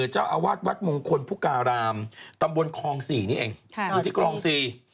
เจ้าอาวาสวัดมงคลพุการามตำบลคลองสี่นี่เองอยู่ที่คลองสี่